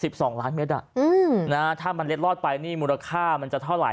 สองล้านเมตรอ่ะอืมนะฮะถ้ามันเล็ดลอดไปนี่มูลค่ามันจะเท่าไห